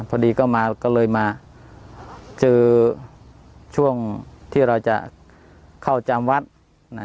พอดีก็มาก็เลยมาเจอช่วงที่เราจะเข้าจำวัดนะ